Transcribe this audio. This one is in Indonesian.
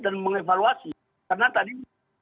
dan mengevaluasi karena tadi